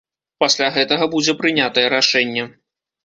Пасля гэтага будзе прынятае рашэнне.